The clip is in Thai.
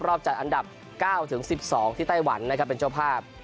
จัดอันดับ๙๑๒ที่ไต้หวันนะครับเป็นเจ้าภาพ